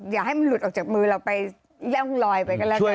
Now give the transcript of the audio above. อย่าให้มันหลุดออกจากมือเราไปย่องลอยไปก็แล้วกัน